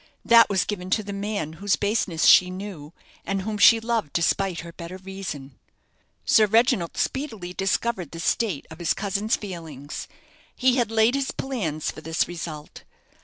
That was given to the man whose baseness she knew, and whom she loved despite her better reason. Sir Reginald speedily discovered the state of his cousin's feelings. He had laid his plans for this result.